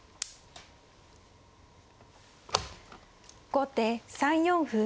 後手３四歩。